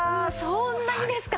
そんなにですか！？